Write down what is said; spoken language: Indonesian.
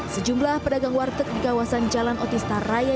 sejumlah pedagang warteg di kawasan jalan otis taraya